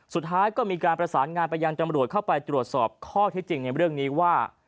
สุดท้ายก็มีการประสานงานไปยังจำรวจเข้าไปตรวจสอบข้อที่จริงในเรื่องนี้ว่า